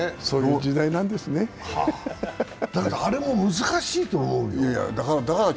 あれも難しいと思うけど。